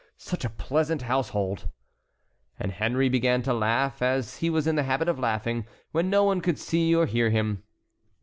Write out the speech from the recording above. Such a pleasant household!" And Henry began to laugh as he was in the habit of laughing when no one could see or hear him.